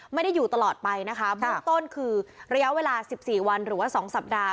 ไม่ได้อยู่ตลอดไปปกต้นคือระยะเวลาสักสองสัปดาห์